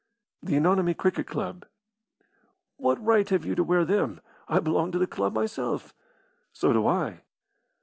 "The Anonymi Cricket Club." "What right have you to wear them? I belong to the club myself." "So do I."